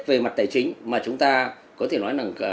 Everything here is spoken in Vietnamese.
về mặt tài chính mà chúng ta có thể nói là